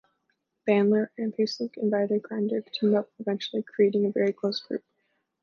Bandler and Pucelik invited Grinder to team-up eventually creating a very close group.